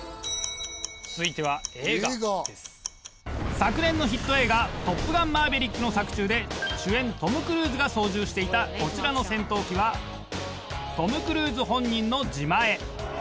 昨年のヒット映画『トップガンマーヴェリック』の作中で主演トム・クルーズが操縦していたこちらの戦闘機は。え！